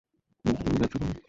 কিন্তু তুমি যাচ্ছো কেন?